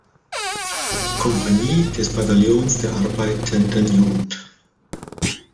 Kompanie des Bataillons der arbeitenden Jugend.